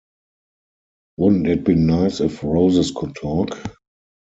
Wouldn’t it be nice if roses could talk?